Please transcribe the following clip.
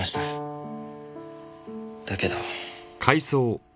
だけど。